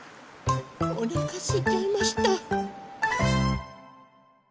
おなかすいちゃいました。